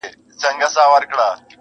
یوه لمسي ورڅخه وپوښتل چي ګرانه بابا٫